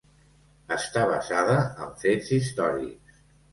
Està basada en fets històrics.